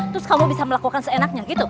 terus kamu bisa melakukan seenaknya gitu